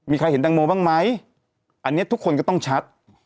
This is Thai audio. มีใครเห็นแตงโมบ้างไหมอันนี้ทุกคนก็ต้องชัด